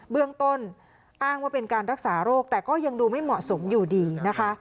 เบื้องต้นอ้างว่าเป็นการรักษาโรคแต่ก็ยังดูไม่เหมาะสมอยู่ดีนะคะ